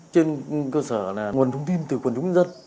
trên cơ sở là nguồn thông tin từ quần chúng dân dân